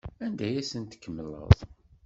Anda ay asen-tkemmleḍ?